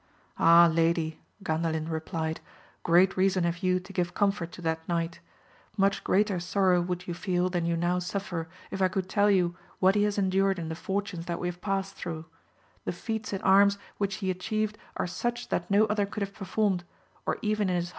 Ah, lady, Gandalin replied, great reason have you to give com fort to that knight ! much greater sorrow would you feel than you now suffer if I could tell you what he has endured in the fortunes that we have passed through; the feats in arms which he atchieved are such that no other could have performed, or even in his h!